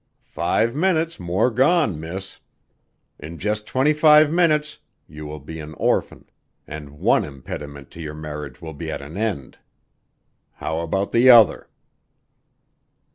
Five minutes more gone, miss. In just twenty five minutes more you will be an orphan and one impediment to your marriage will be at an end. How about the other?"